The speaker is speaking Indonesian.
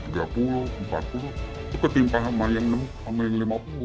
itu ketimpa sama yang enam lima puluh